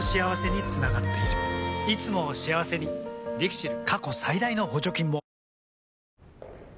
いつもを幸せにＬＩＸＩＬ。